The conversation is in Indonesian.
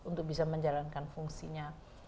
untuk bisa menjalankan fungsinya